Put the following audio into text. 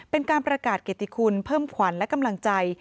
เป็นการประกาศเกติคุณเพิ่มขวัญและกำลังใจ